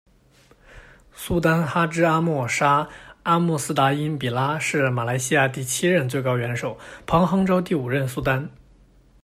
苏丹哈芝阿末·沙·阿穆斯达因·比拉是马来西亚第七任最高元首、彭亨州第五任苏丹。